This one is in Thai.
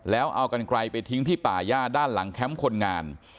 แล้วเอากันไกลไปทิ้งที่ป่าย่าด้านหลังแคมป์คนงาน